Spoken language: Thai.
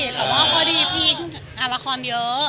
แต่พอดีพีคงานละครเยอะ